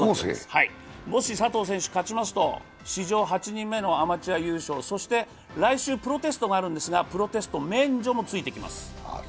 もし、佐藤選手が勝ちますと史上８人目のアマチュア優勝、そして来週プロテストがあるんですがプロテスト免除もついてきます。